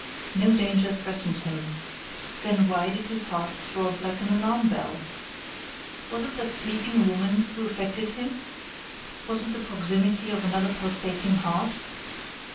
No danger threatened him. Then why did his heart throb like an alarm bell? Was it that sleeping woman who affected him? Was it the proximity of another pulsating heart?